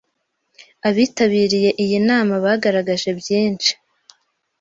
Abitabiriye iyi nama bagaragaje byinshi